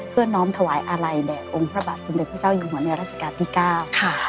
เพื่อน้องถวายอาลัยแด่องค์พระบาทสุนเด็จพระเจ้าอยู่หัวในราชิกาติก้าว